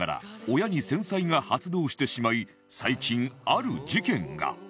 親に繊細が発動してしまい最近ある事件が